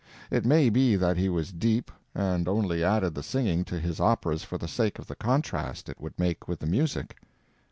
It may be that he was deep, and only added the singing to his operas for the sake of the contrast it would make with the music.